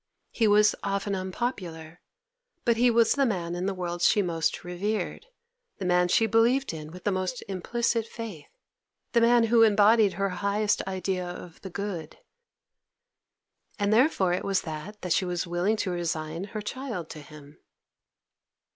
He was often unpopular, but he was the man in the world she most revered, the man she believed in with the most implicit faith, the man who embodied her highest idea of the good; and therefore it was that she was willing to resign her child to him.